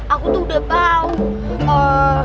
aku tuh udah tau ee